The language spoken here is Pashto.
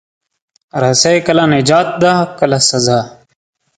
رسۍ کله نجات ده، کله سزا.